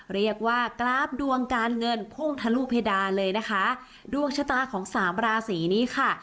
เรียกว่ากราฟดวงการเงินพุ่งทะลุเพดานเลยนะคะดวงชะตาของสามราศีนี้ค่ะ